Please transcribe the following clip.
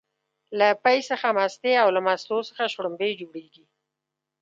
له پی څخه مستې او له مستو څخه شلومبې جوړيږي